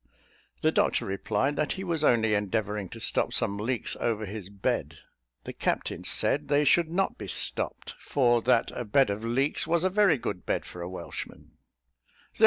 The doctor replied, that he was only endeavouring to stop some leaks over his bed: the captain said they should not be stopped; for that a bed of leeks was a very good bed for a Welshman.